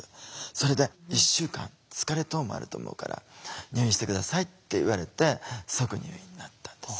それで「１週間疲れ等もあると思うから入院して下さい」って言われて即入院になったんです。